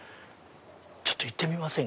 ちょっと行ってみません？